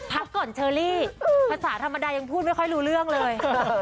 พักก่อนเชอรี่ภาษาธรรมดายังพูดไม่ค่อยรู้เรื่องเลย